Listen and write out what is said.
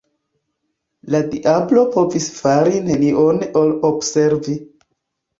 La diablo povis fari nenion ol observi.